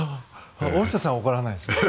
大下さんは怒らないですね。